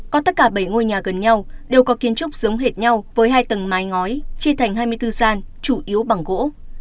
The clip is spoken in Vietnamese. còn tất cả bảy ngôi nhà gần nhau đều có kiến trúc giống hệt nhau với hai tầng mái ngói chia thành hai mươi bốn gian chủ yếu bằng gỗ